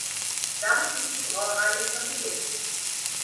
Damit blieb die Brauerei in Familienbesitz.